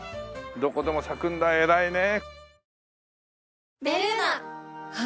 どこでも咲くんだ偉いね。